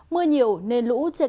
mưa nhiều nên lũ trên các sân